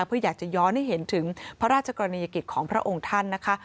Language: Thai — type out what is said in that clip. เพื่ออยากจะย้อนให้เห็นถึงพระราชกรณียกิจของพระองค์ท่านนะคะ